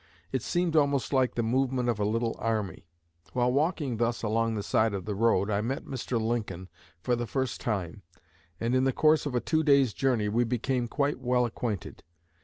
It seemed almost like the movement of a little army. While walking thus along the side of the road I met Mr. Lincoln for the first time, and in the course of a two days' journey we became quite well acquainted.